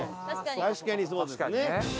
確かにそうですね。